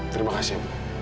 terima kasih ibu